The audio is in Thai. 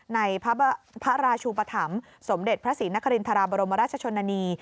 ในพระราชูปธรรมสมเด็จพระศรีนครินทราบรมราชชนนานี